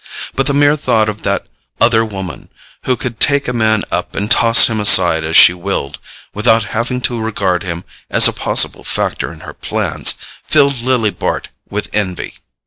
But the mere thought of that other woman, who could take a man up and toss him aside as she willed, without having to regard him as a possible factor in her plans, filled Lily Bart with envy.